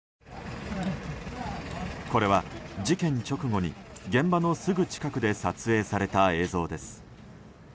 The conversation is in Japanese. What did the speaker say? これは事件直後に現場のすぐ近くで撮影された映像です。